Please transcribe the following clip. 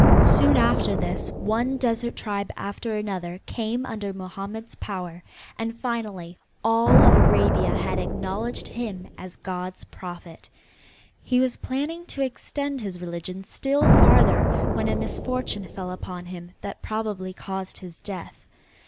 Soon after this one desert tribe after another came under Mohammed's power, and finally all of Arabia had acknowledged him as God's prophet. He was planning to extend his religion still farther when a misfortune fell upon him that probably caused his death.